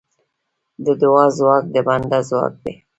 د دعا ځواک د بنده ځواک دی.